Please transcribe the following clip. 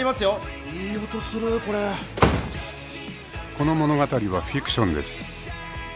［この物語はフィクションです］